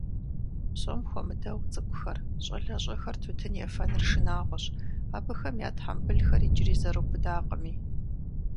Псом хуэмыдэу цӀыкӀухэр, щӀалэщӀэхэр тутын ефэныр шынагъуэщ, абыхэм я тхьэмбылхэр иджыри зэрыубыдакъыми.